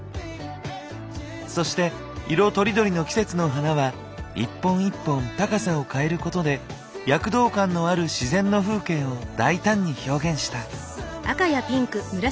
そして色とりどりの季節の花は１本１本高さを変えることで躍動感のある自然の風景を大胆に表現した。